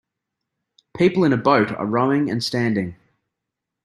People in a boat are rowing and standing.